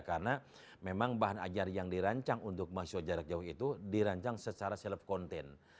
karena memang bahan ajar yang dirancang untuk mahasiswa jarak jauh itu dirancang secara self content